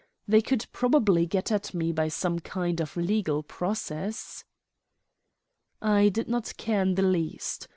They could probably get at me by some kind of legal process. I did not care in the least.